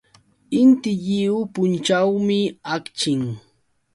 Inti lliw punćhawmi akchin.